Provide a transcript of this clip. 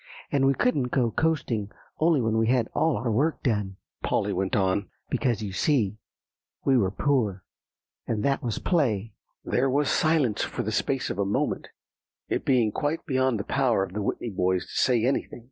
"And we couldn't go coasting only when we had all our work done," Polly went on, "because, you see, we were poor, and that was play." There was silence for the space of a moment, it being quite beyond the power of the Whitney boys to say anything.